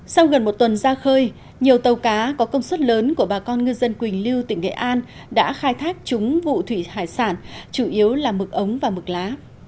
sau gần một tuần ra khơi nhiều tàu cá có công suất lớn của bà con ngư dân quỳnh lưu tỉnh nghệ an đã khai thác chúng vụ thủy hải sản chủ yếu là mực ống và mực lá